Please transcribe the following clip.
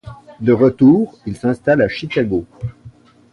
De retour il s'installe à Chicago.